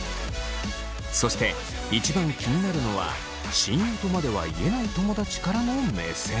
そして一番気になるのは親友とまでは言えない友達からの目線。